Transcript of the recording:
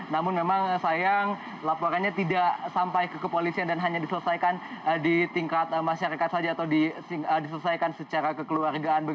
namun memang sayang laporannya tidak sampai ke kepolisian dan hanya diselesaikan di tingkat masyarakat saja atau diselesaikan secara kekeluargaan